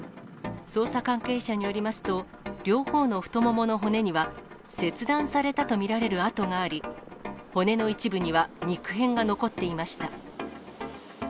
捜査関係者によりますと、両方の太ももの骨には、切断されたと見られる痕があり、骨の一部には肉片が残っていました。